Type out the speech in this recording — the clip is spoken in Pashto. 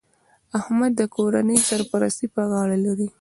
احمد د کورنۍ سرپرستي په غاړه لري